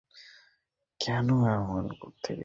কেন এমন করতে গেলি?